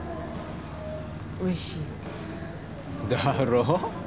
おいしいだろ？